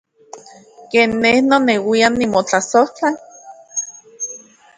Ken ne noneuian nimotlasojtla.